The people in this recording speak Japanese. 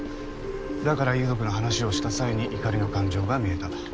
だから遺族の話をした際に「怒り」の感情が見えたと。